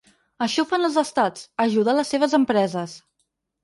Això fan els estats, ajudar les seves empreses.